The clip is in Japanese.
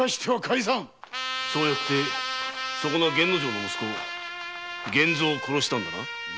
そうやってそこな源之丞の息子・源蔵も殺したのだな。